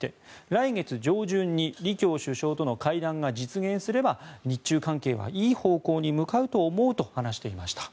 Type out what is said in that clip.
来月上旬に李強首相との会談が実現すれば日中関係はいい方向に向かうと思うと話していました。